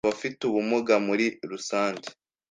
Abafite ubumuga muri rusange,